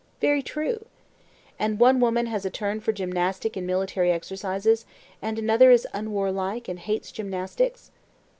Very true. And one woman has a turn for gymnastic and military exercises, and another is unwarlike and hates gymnastics?